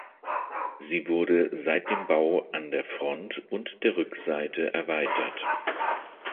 Sie wurde seit dem Bau an der Front- und der Rückseite erweitert.